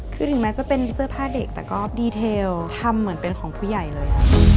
คือถึงแม้จะเป็นเสื้อผ้าเด็กแต่ก็ดีเทลทำเหมือนเป็นของผู้ใหญ่เลย